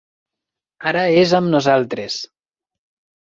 Ara és amb nosaltres.